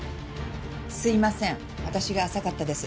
すいません私が浅かったです。